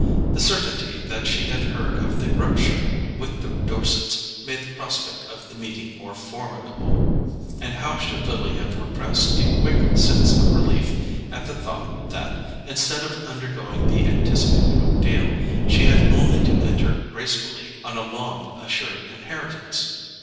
The certainty that she had heard of the rupture with the Dorsets made the prospect of the meeting more formidable; and how should Lily have repressed a quick sense of relief at the thought that, instead of undergoing the anticipated ordeal, she had only to enter gracefully on a long assured inheritance?